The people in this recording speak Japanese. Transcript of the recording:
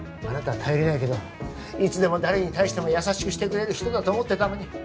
あなたは頼りないけどいつでも誰に対しても優しくしてくれる人だと思ってたのに。